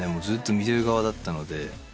ずっと見てる側だったので。